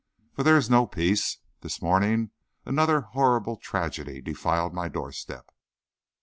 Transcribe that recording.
But there is no peace. This morning another horrible tragedy defiled my doorstep.